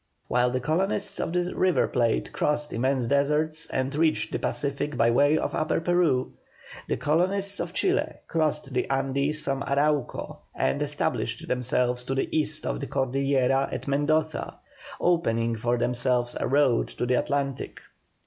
While the colonists of the River Plate crossed immense deserts and reached the Pacific by way of Upper Peru, the colonists of Chile crossed the Andes from Arauco and established themselves to the east of the Cordillera at Mendoza, opening for themselves a road to the Atlantic.